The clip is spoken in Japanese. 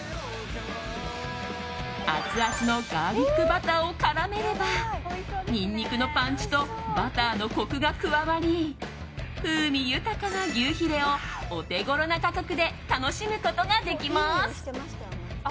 アツアツのガーリックバターを絡めればニンニクのパンチとバターのコクが加わり風味豊かな牛ヒレをお手頃な価格で楽しむことができます。